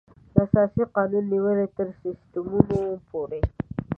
له اساسي قانون نېولې تر سیسټمونو پورې.